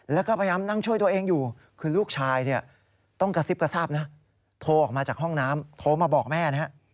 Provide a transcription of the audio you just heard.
แล้วก็พยายามนั่งช่วยตัวเองอยู่คือลูกชายเนี่ยต้องกระซิบกระซาบนะโทรออกมาจากห้องน้ำโทรมาบอกแม่นะฮะ